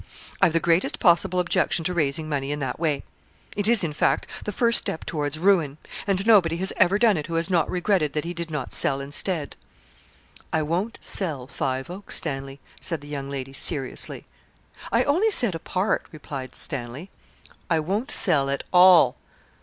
'I've the greatest possible objection to raising money in that way. It is, in fact, the first step towards ruin; and nobody has ever done it who has not regretted that he did not sell instead.' 'I won't sell Five Oaks, Stanley,' said the young lady, seriously. 'I only said a part,' replied Stanley. 'I won't sell at all.'